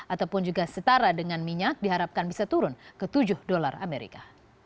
ataupun juga setara dengan minyak diharapkan bisa turun ke tujuh dolar amerika